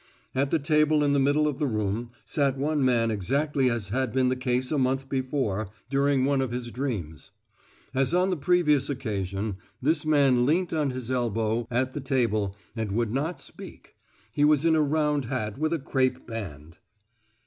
At the table in the middle of the room, sat one man exactly as had been the case a month before, during one of his dreams. As on the previous occasion, this man leant on his elbow at the table and would not speak; he was in a round hat with a crape band.